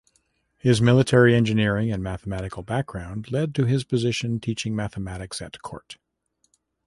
His military engineering and mathematical background led to his position teaching mathematics at court.